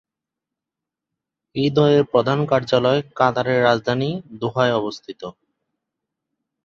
এই দলের প্রধান কার্যালয় কাতারের রাজধানী দোহায় অবস্থিত।